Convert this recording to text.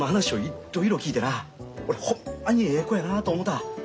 俺ホンマにええ子やなあと思た。